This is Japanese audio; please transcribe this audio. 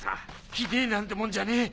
ひでぇなんてもんじゃねえ。